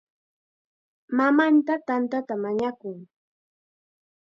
Mamanta tantata mañakun.